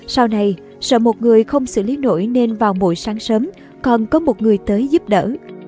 sau này sợ một người không xử lý nổi nên vào buổi sáng sớm còn có một người tới giúp đỡ